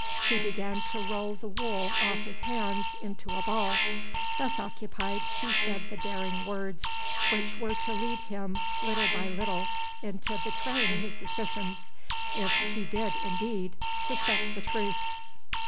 She began to roll the wool off his hands into a ball. Thus occupied, she said the daring words which were to lead him little by little into betraying his suspicions, if he did indeed suspect the truth.